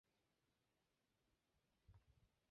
其游牧区域在欧洲人绘制的地图里称之为鞑靼利亚。